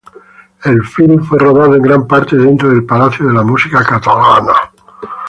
El filme fue rodado en gran parte dentro del Palacio de la Música Catalana.